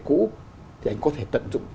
cũ thì anh có thể tận dụng